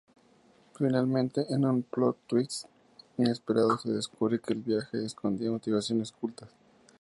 Finalmente, en un "plot twist" inesperado, se descubre que el viaje escondía motivaciones ocultas.